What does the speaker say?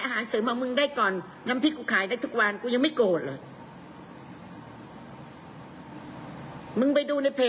ทางกองเขาบังคับแม่ไม่ได้นะ